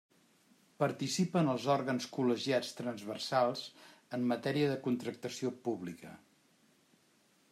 Participa en els òrgans col·legiats transversals en matèria de contractació pública.